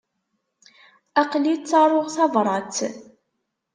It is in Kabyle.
Aql-i ttaruɣ tabrat.